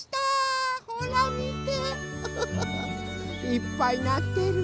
いっぱいなってる。